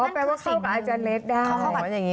อ๋อแปลว่าเข้ากับอาจารย์เลสได้เหมือนแบบนี้แม่งนะครับ